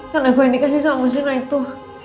karena gue yang dikasih sama mas rina itu